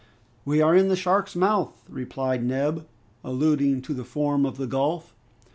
"We are in the shark's mouth," remarked Neb, alluding to the form of the gulf.